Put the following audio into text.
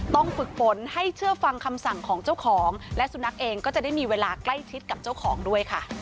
ฝึกฝนให้เชื่อฟังคำสั่งของเจ้าของและสุนัขเองก็จะได้มีเวลาใกล้ชิดกับเจ้าของด้วยค่ะ